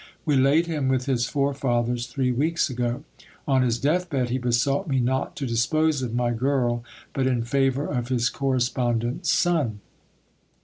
We laid him with his forefathers three weeks ago ! On his death bed, he besought me not to dispose of my girl but in favour of his corre spondent's son.